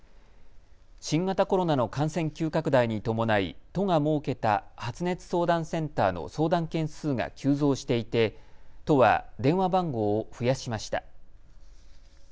新型コロナの感染急拡大に伴い、都が設けた発熱相談センターの相談件数が急増していて都は電話番号を増やしました。